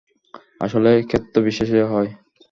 আসলে, ক্ষেত্রবিশেষে হয়।